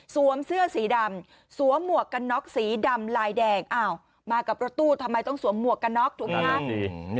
เสื้อสีดำสวมหมวกกันน็อกสีดำลายแดงอ้าวมากับรถตู้ทำไมต้องสวมหมวกกันน็อกถูกไหมคะ